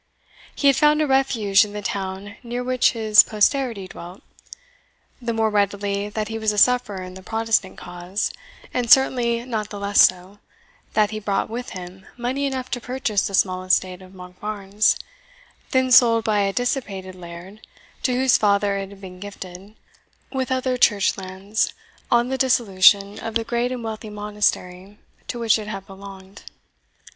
He had found a refuge in the town near which his posterity dwelt, the more readily that he was a sufferer in the Protestant cause, and certainly not the less so, that he brought with him money enough to purchase the small estate of Monkbarns, then sold by a dissipated laird, to whose father it had been gifted, with other church lands, on the dissolution of the great and wealthy monastery to which it had belonged.